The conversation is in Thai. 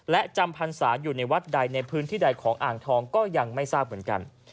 และจำพรรษาอยู่ในวัดใดในพื้นที่ใดของอ่างทองก็ยังไม่ทราบเหมือนกัน